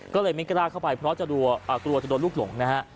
ก็เลยไม่กล้าเข้าไปเพราะกลัวจะโดนลูกหลงนะฮะ